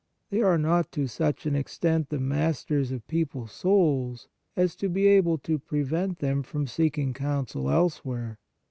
They are not to such an extent the masters of people s souls as to be able to prevent them from seeking counsel elsewhere.